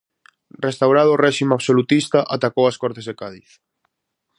Restaurado o réxime absolutista, atacou as cortes de Cádiz.